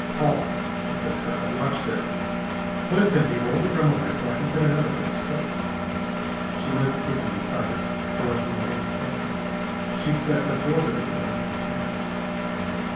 "Paula," he said curtly, "watch this. When it's empty roll the drum away so I can put another in its place." She moved quickly beside it, throwing him a little smile. She set absorbedly about her task.